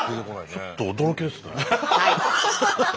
ちょっと驚きですね。